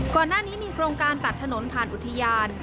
ก่อนหน้านี้มีโครงการตัดถนนผ่านอุทยาน